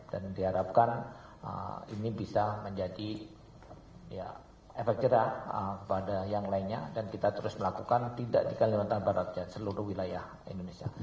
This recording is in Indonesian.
dan diharapkan ini bisa menjadi ya efek cerah kepada yang lainnya dan kita terus melakukan tidak di kalimantan barat dan seluruh wilayah indonesia